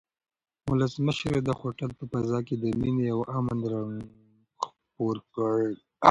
ولسمشر د هوټل په فضا کې د مینې او امن رنګ خپور کړ.